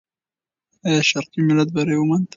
آیا شرقي ملت بری وموند؟